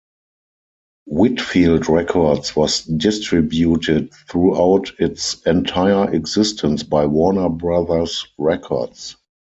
Whitfield Records was distributed throughout its entire existence by Warner Brothers Records.